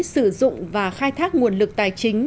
sử dụng và khai thác nguồn lực tài chính